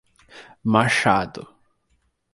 Machado